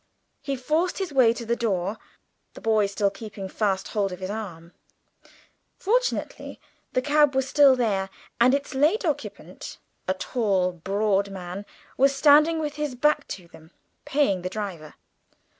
He forced his way to the door, the boy still keeping fast hold of his arm. Fortunately the cab was still there, and its late occupant, a tall, broad man, was standing with his back to them paying the driver.